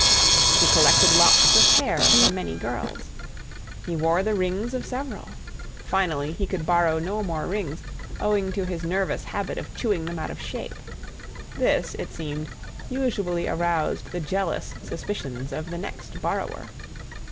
He collected locks of hair from many girls. He wore the rings of several. Finally he could borrow no more rings, owing to his nervous habit of chewing them out of shape. This, it seemed, usually aroused the jealous suspicions of the next borrower.